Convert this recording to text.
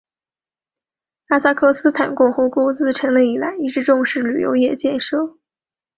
哈萨克斯坦共和国自成立以来一直重视旅游业建设。